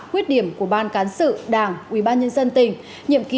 quyết điểm của ban cán sự đảng ubnd tỉnh nhiệm kỳ hai nghìn một mươi sáu